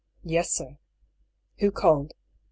" Yes, sir." « Who called